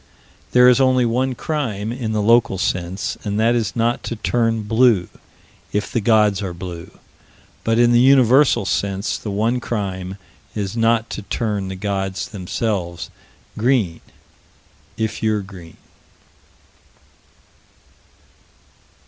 There is only one crime, in the local sense, and that is not to turn blue, if the gods are blue: but, in the universal sense, the one crime is not to turn the gods themselves green, if you're green.